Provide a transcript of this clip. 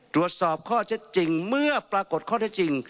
ตรวจสอบข้อเท็จจริงเมื่อปรากฏข้อเท็จจริง